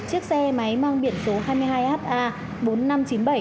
chiếc xe máy mang biển số hai mươi hai ha bốn nghìn năm trăm chín mươi bảy